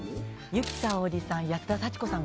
由紀さおりさん安田祥子さん